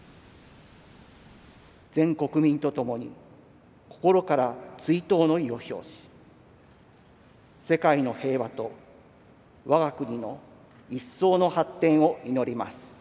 全国民と共に心から追悼の意を表し世界の平和と我が国の一層の発展を祈ります。